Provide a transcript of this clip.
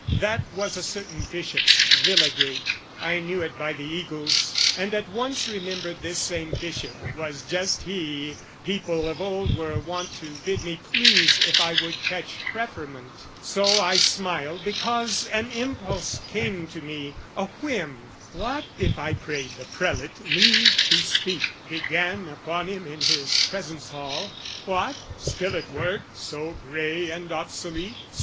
"That was a certain bishop's villa gate, "I knew it by the eagles, and at once "Remembered this same bishop was just he "People of old were wont to bid me please "If I would catch preferment: so, I smiled "Because an impulse came to me, a whim "What if I prayed the prelate leave to speak, "Began upon him in his presence hall " 'What, still at work so grey and obsolete?